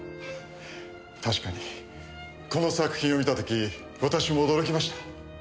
確かにこの作品を見た時私も驚きました。